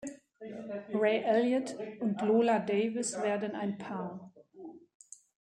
Ray Elliott und Lola Davis werden ein Paar.